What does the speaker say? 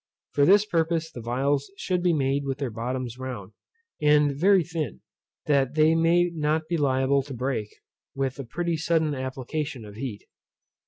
For this purpose the phials should be made with their bottoms round, and very thin, that they may not be liable to break with a pretty sudden application of heat.